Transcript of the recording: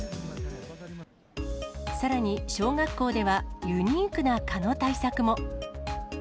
さらに小学校では、ユニークな蚊の対策も。